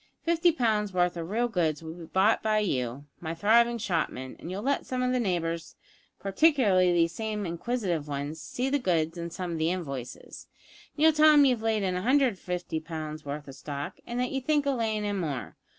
Fifty pounds' worth of real goods will be bought by you, my thriving shopman, and you'll let some of the neighbours, partiklerly these same inquisitive 'uns, see the goods and some of the invoices, and you'll tell them that you've laid in 150 pounds worth of stock, and that you think of layin' in more.